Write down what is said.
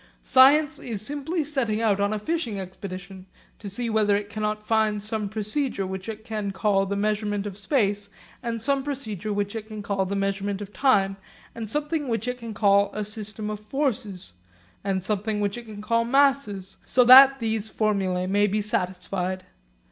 Science is simply setting out on a fishing expedition to see whether it cannot find some procedure which it can call the measurement of space and some procedure which it can call the measurement of time, and something which it can call a system of forces, and something which it can call masses, so that these formulae may be satisfied.